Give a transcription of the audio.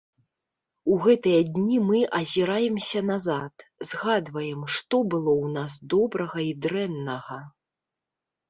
У гэтыя дні мы азіраемся назад, згадваем, што было ў нас добрага і дрэннага.